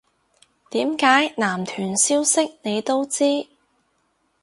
點解男團消息你都知